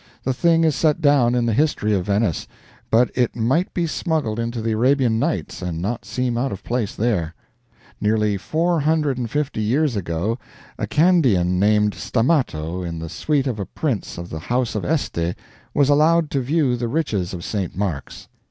The thing is set down in the history of Venice, but it might be smuggled into the Arabian Nights and not seem out of place there: Nearly four hundred and fifty years ago, a Candian named Stammato, in the suite of a prince of the house of Este, was allowed to view the riches of St. Mark's.